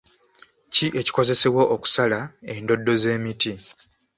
Ki ekikozesebwa okusala endoddo z'emiti?